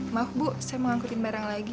maaf bu saya mau angkut memang lagi